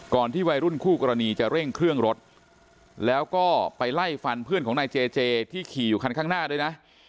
ที่วัยรุ่นคู่กรณีจะเร่งเครื่องรถแล้วก็ไปไล่ฟันเพื่อนของนายเจเจที่ขี่อยู่คันข้างหน้าด้วยนะ